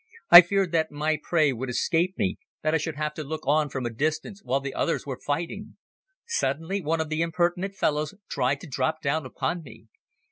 I feared that my prey would escape me, that I should have to look on from a distance while the others were fighting. Suddenly one of the impertinent fellows tried to drop down upon me.